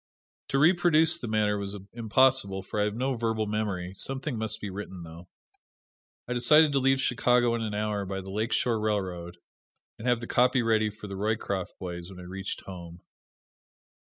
To reproduce the matter was impossible, for I have no verbal memory something must be written, though. I decided to leave Chicago in an hour by the Lake Shore Railroad, and have the copy ready for the Roycroft boys when I reached home.